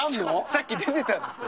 さっき出てたんですよ。